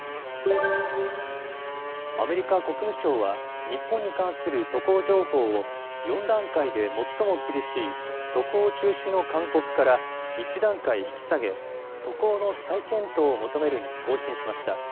アメリカ国務省は、日本に関する渡航情報を４段階で最も厳しい、渡航中止の勧告から１段階引き下げ、渡航の再検討を求めるに更新しました。